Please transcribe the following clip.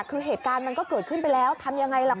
คือเหตุการณ์มันก็เกิดขึ้นไปแล้วทำยังไงล่ะ